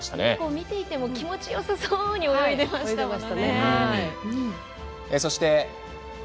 見ていても気持ちよさそうに泳いでいました。